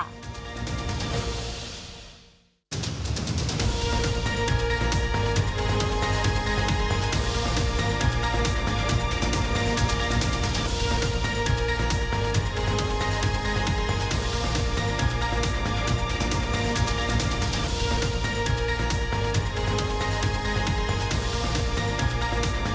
สวัสดีค่ะ